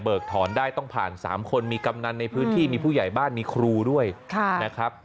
ถอนได้ต้องผ่าน๓คนมีกำนันในพื้นที่มีผู้ใหญ่บ้านมีครูด้วยนะครับ